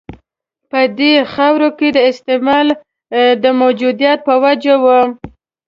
په دې خاورو کې د استعمار د موجودیت په وجه وه.